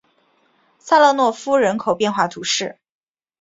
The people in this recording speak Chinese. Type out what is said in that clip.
萨勒诺夫人口变化图示